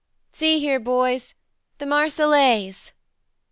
" See here, boys the Marcellaze